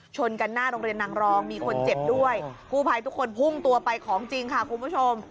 ชนกันหน้าโรงเรียนนางรองมีคนเจ็บด้วยกู้ภัยทุกคนพุ่งตัวไปของจริงค่ะคุณผู้ชม